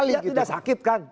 ya lihat tidak sakit kan